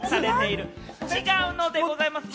違うのでございます。